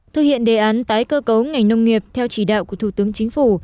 thực hiện đề án tái cơ cấu ngành nông nghiệp theo chỉ đạo của thủ tướng chính phủ